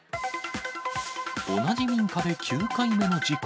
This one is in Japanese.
同じ民家で９回目の事故。